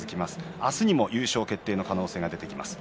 あすにも優勝決定の可能性が出てきます。